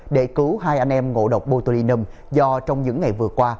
để cứu hai anh em ngộ độc botulinum do trong những ngày vừa qua